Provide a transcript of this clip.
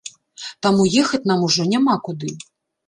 Таму ехаць нам ужо няма куды.